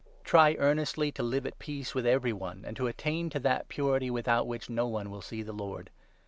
Try earnestly to live at peace with every one, 14 Exhortations. and tQ attajn to tilat pur; ty without which no one will see the Lord.